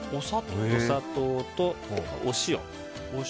お砂糖とお塩。